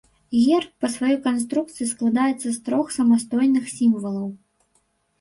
Герб па сваёй канструкцыі складаецца з трох самастойных сімвалаў.